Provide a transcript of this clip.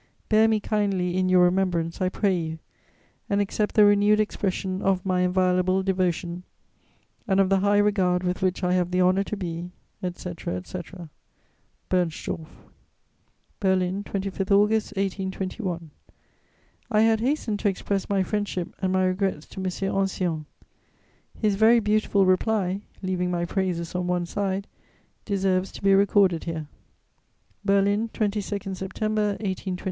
"Bear me kindly in your remembrance, I pray you, and accept the renewed expression of my inviolable devotion and of the high regard with which I have the honour to be, etc., etc. "BERNSTORFF." "BERLIN, 25 August 1821. I had hastened to express my friendship and my regrets to M. Ancillon: his very beautiful reply (leaving my praises on one side) deserves to be recorded here: "BERLIN, 22 September 1821.